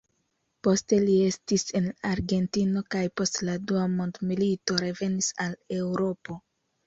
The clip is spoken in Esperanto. Poste li estis en Argentino kaj post la Dua Mondmilito revenis al Eŭropo.